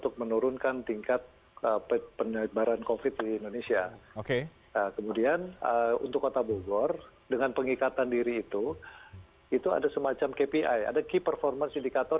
operator kami ya bukan kami sebagai operator